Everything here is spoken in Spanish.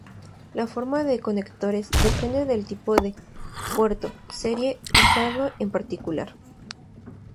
La forma de conectores depende del tipo de puerto serie usado en particular.